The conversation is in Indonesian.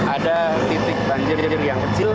ada titik banjir yang kecil